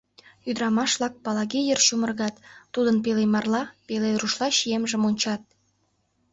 Ӱдырамаш-влак Палаги йыр чумыргат, тудын пеле марла, пеле рушла чиемжым ончат.